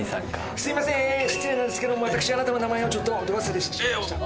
すいませんえ失礼なんですけども私あなたの名前をちょっとど忘れしてしまいました。